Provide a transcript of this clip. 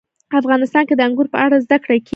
افغانستان کې د انګور په اړه زده کړه کېږي.